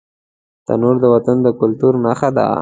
تنور د وطن د کلتور نښه ده